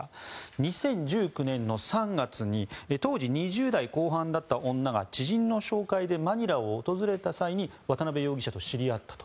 ２０１９年の３月に当時、２０代後半だった女が知人の紹介でマニラを訪れた際に渡邉容疑者と知り合ったと。